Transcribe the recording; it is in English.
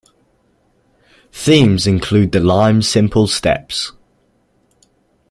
Themes include the Lime Simple Steps.